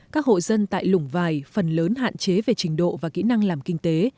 các hộ dân tại lũng vài phần lớn hạn chế về trình độ và kỹ năng làm kinh tế